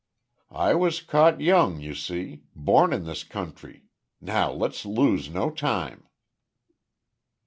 "I was caught young, you see. Born in this country. Now let's lose no time."